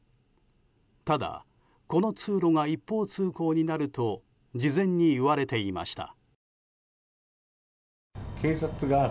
ただ、この通路が一方通行になると事前に言われていました。